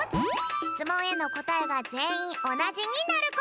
しつもんへのこたえがぜんいんおなじになること。